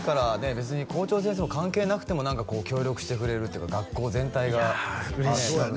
別に校長先生も関係なくても協力してくれるっていうか学校全体がいや嬉しいですそうやね